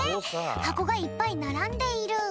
はこがいっぱいならんでいる。